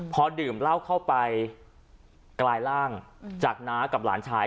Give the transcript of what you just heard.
พอดื่มเหล้าเข้าไปกลายร่างจากน้ากับหลานชาย